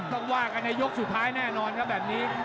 ว่ากันในยกสุดท้ายแน่นอนครับแบบนี้